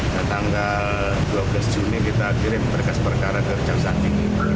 dan tanggal dua belas juni kita kirim perikas perkara ke raja sati